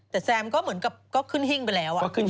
แต่แซมก็เหมือนกับก็ขึ้นหิ้งไปแล้ว